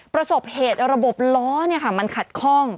ประสบเหตุระบบล้อมันขัดข้อง